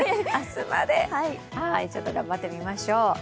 明日まで、ちょっと頑張ってみましょう。